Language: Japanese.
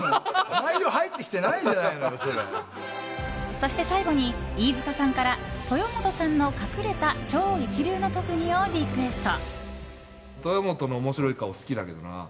そして最後に、飯塚さんから豊本さんの隠れた超一流の特技をリクエスト。